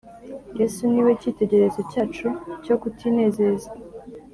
Yesu ni we cyitegererezo cyacu cyo kutinezeza